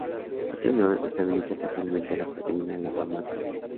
Esta unión estabiliza parcialmente la proteína en la forma activa.